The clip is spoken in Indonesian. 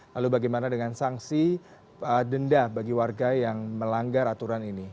lalu bagaimana dengan sanksi denda bagi warga yang melanggar aturan ini